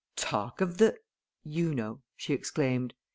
"Talk of the you know," she exclaimed.